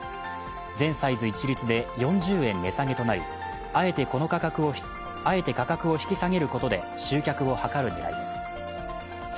全サイズ一律で４０円値下げとなり、あえて価格を引き下げることで集客を図る狙いです。